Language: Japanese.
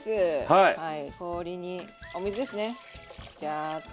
はい氷にお水ですねジャーッと。